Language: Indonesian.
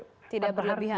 tidak berlebihan begitu ya